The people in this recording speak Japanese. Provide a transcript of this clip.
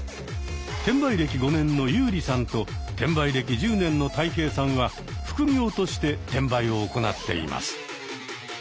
転売歴５年のユーリさんと転売歴１０年のタイヘイさんは副業として転売を行っています。